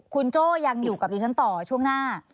คุณโจ้ยังอยู่กับดิฉันต่อช่วงหน้า